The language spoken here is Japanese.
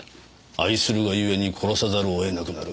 愛するがゆえに殺さざるを得なくなる。